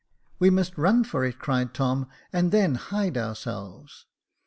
We must run for it," cried Tom, " and then hide ourselves."